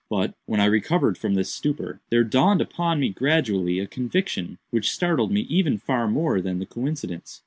But, when I recovered from this stupor, there dawned upon me gradually a conviction which startled me even far more than the coincidence.